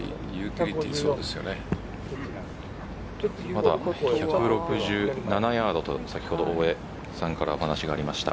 まだ１６７ヤードと大江さんからお話がありました。